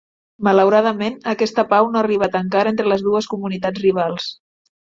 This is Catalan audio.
Malauradament, aquesta pau no ha arribat encara entre les dues comunitats rivals.